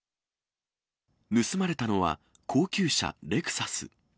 盗まれたのは、高級車レクサス。